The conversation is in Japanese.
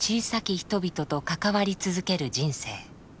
人々と関わり続ける人生。